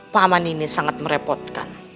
paman ini sangat merepotkan